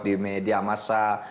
di media massa